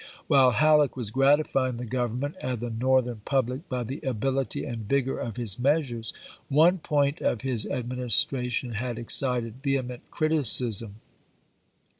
While Halleck was gratifying the Government and the Northern public by the ability and vigor of his measui'es, one point of his administration had ex cited vehement criticism.